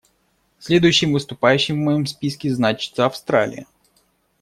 Следующим выступающим в моем списке значится Австралия.